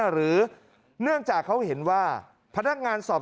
หรือเพื่อนอะไรเพราะเขาเห็นว่า